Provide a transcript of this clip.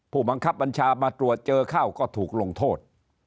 ผู้บังคับบัญชามาตรวจเจอเข้าก็ถูกลงโทษ